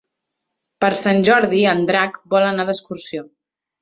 Per Sant Jordi en Drac vol anar d'excursió.